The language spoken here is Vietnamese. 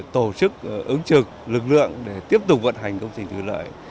tổ chức ứng trực lực lượng để tiếp tục vận hành công trình thủy lợi